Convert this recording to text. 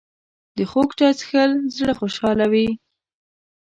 د خوږ چای څښل زړه خوشحالوي